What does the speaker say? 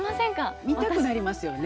見たくなりますよね。